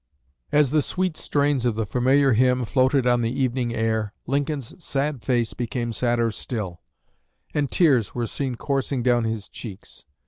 As the sweet strains of the familiar hymn floated on the evening air, Lincoln's sad face became sadder still, and tears were seen coursing down his cheeks.